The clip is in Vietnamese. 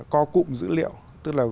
co cụm dữ liệu tức là